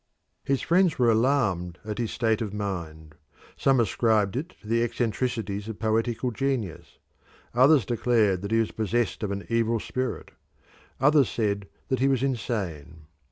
His friends were alarmed at his state of mind. Some ascribed it to the eccentricities of poetical genius; others declared that he was possessed of an evil spirit; others said he was insane.